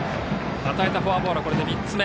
与えたフォアボール、３つ目。